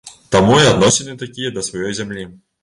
Таму і адносіны такія да сваёй зямлі.